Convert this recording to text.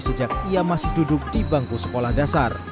sejak ia masih duduk di bangku sekolah dasar